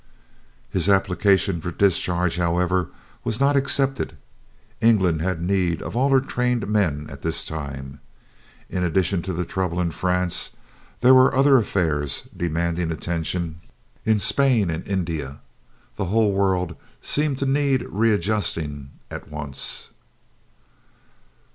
His application for discharge, however, was not accepted. England had need of all her trained men at this time. In addition to the trouble in France, there were other affairs demanding attention in Spain and India. The whole world seemed to need readjusting at once.